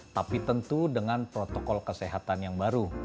tapi tentu dengan protokol kesehatan yang baru